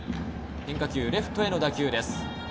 変化球、レフトへの打球です。